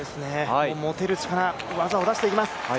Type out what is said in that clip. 持てる力技を出していきます。